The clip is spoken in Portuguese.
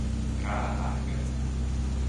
Caraca!